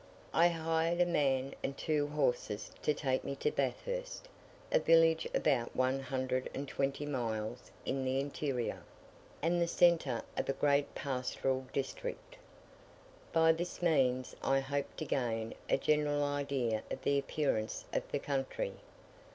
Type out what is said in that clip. I hired a man and two horses to take me to Bathurst, a village about one hundred and twenty miles in the interior, and the centre of a great pastoral district. By this means I hoped to gain a general idea of the appearance of the country.